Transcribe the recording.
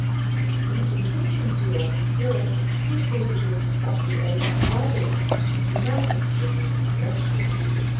In the inconsistency of his terror, he said he was but the agent of others, and he muttered the name of Rashleigh.